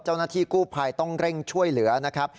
เจ้าหน้าที่กู้ภัยต้องเร่งช่วยเหลือนะครับ